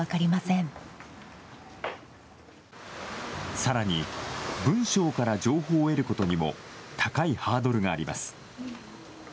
さらに、文章から情報を得ることにも高いハードルがあります。